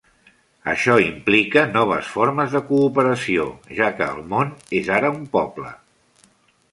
Això implica noves formes de cooperació, ja que el món és ara un poble.